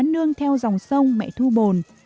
nương theo dòng sông mẹ thu bồn